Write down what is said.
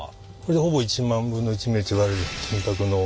ほぼ１万分の１ミリといわれている金箔の。